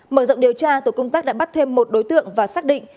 mở rộng điều tra tổ công tác đã bắt thêm một đối tượng và xác định